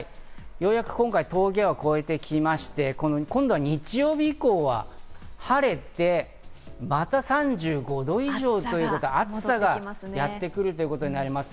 ようやく今回、峠を越えて来まして、今度は日曜日以降は晴れてまた３５度以上、暑さがやってくるということになります。